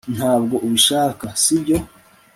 ntabwo ubishaka, sibyo